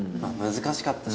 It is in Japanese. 難しかった。